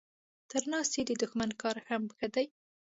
تر ناستي د دښمن کار هم ښه دی.